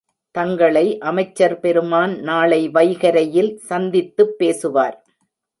தங்களை அமைச்சர்பெருமான் நாளை வைகரையில் சந்தித்துப் பேசுவார்.